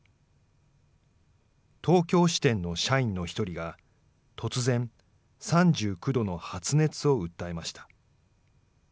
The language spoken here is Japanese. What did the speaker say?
東京支店の社員の１人が突然、３９度の発熱を訴えました。